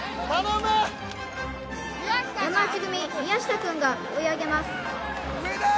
山内組宮下くんが追い上げます植田！